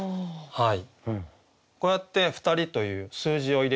はい。